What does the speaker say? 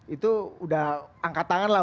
itu udah angkat tangan lah